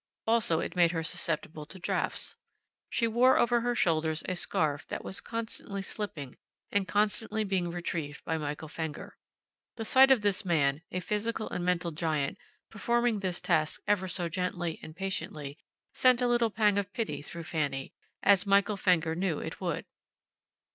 Also it made her susceptible to draughts. She wore over her shoulders a scarf that was constantly slipping and constantly being retrieved by Michael Fenger. The sight of this man, a physical and mental giant, performing this task ever so gently and patiently, sent a little pang of pity through Fanny, as Michael Fenger knew it would.